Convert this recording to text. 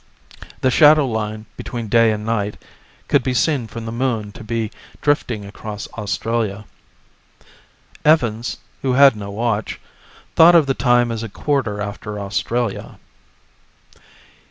The shadow line between day and night could be seen from the Moon to be drifting across Australia. Evans, who had no watch, thought of the time as a quarter after Australia.